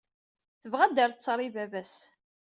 Tebɣa ad d-terr ttaṛ i baba-s.